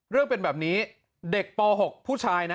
เรื่องเป็นแบบนี้เด็กป๖ผู้ชายนะ